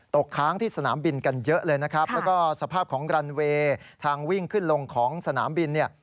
ค้างที่สนามบินกันเยอะเลยนะครับแล้วก็สภาพของรันเวย์ทางวิ่งขึ้นลงของสนามบินเนี่ย